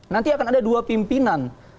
nanti akan ada dua pimpinan